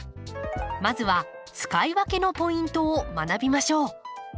まずは使い分けのポイントを学びましょう。